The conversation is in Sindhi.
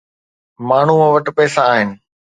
ماڻهو وٽ پئسا آهن.